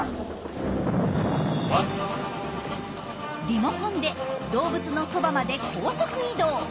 リモコンで動物のそばまで高速移動。